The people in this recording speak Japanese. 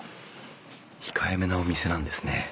控えめなお店なんですね。